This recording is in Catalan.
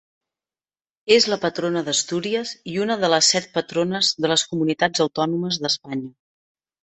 És la patrona d'Astúries i una de les set Patrones de les Comunitats Autònomes d'Espanya.